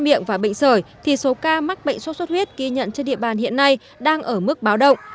miệng và bệnh sởi thì số ca mắc bệnh sốt xuất huyết ghi nhận trên địa bàn hiện nay đang ở mức báo động